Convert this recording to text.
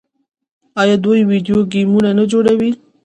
آیا دوی ویډیو ګیمونه نه جوړوي؟